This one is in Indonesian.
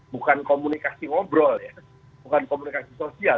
bukan komunikasi ngobrol ya bukan komunikasi sosial